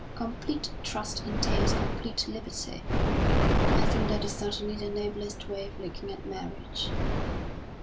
Complete trust entails complete liberty." "I think that is certainly the noblest way of looking at marriage."